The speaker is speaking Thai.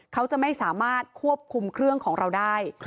เขาจะไม่สามารถควบคุมเครื่องของเราได้